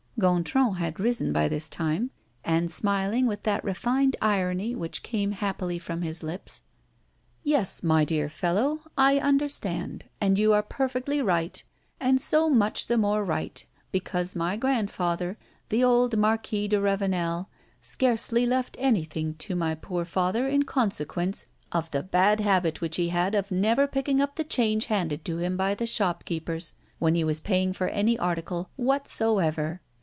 Gontran had risen by this time, and smiling with that refined irony which came happily from his lips: "Yes, my dear fellow, I understand, and you are perfectly right, and so much the more right because my grandfather, the old Marquis de Ravenel, scarcely left anything to my poor father in consequence of the bad habit which he had of never picking up the change handed to him by the shopkeepers when he was paying for any article whatsoever.